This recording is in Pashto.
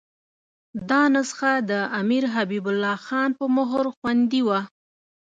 دا نسخه د امیر حبیب الله خان په مهر خوندي وه.